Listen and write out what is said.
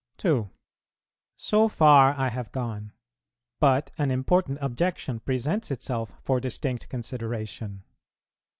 2. So far I have gone, but an important objection presents itself for distinct consideration.